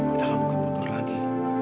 kita gak mungkin butuh lagi